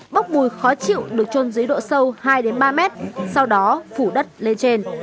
bốc mùi khó chịu được trôn dưới độ sâu hai ba mét sau đó phủ đất lên trên